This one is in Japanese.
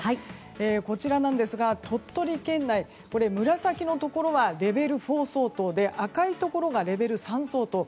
こちらなんですが、鳥取県内紫のところはレベル４相当で赤いところがレベル３相当。